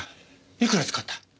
いくら使った？